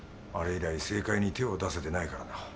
あれ以来政界に手を出せてないからな。